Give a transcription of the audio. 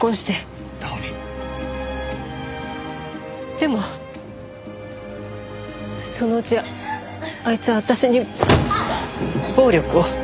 でもそのうちあいつは私に暴力を。